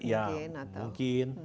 peringatan pajak mungkin